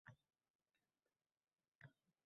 Unga vaqt bering, agar bolani shoshirish kerak bo‘lsa